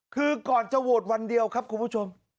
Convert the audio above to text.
คือก่อนจะโหวตวันเดียวครับคุณผู้ชม